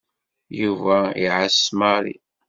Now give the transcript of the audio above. Yuba iɛess Mary.